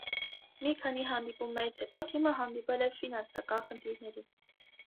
Մի քանի հանդիպումներից հետո թիմը հանդիպել է ֆինանսական խնդիրների։